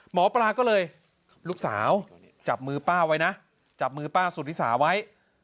หมอปลาก็เลยลูกสาวจับมือป้าไว้นะจับมือป้าสุธิสาไว้